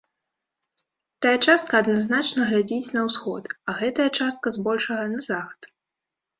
Тая частка адназначна глядзіць на ўсход, а гэтая частка, збольшага, на захад.